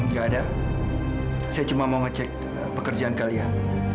nggak ada saya cuma mau ngecek pekerjaan kalian